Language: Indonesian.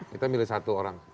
kita milih satu orang